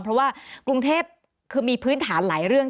เพราะว่ากรุงเทพคือมีพื้นฐานหลายเรื่อง